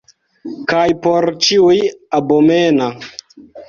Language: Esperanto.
Kaj por ĉiuj abomena!